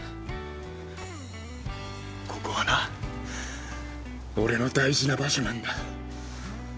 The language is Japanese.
ここはな俺の大事な場所なんだ。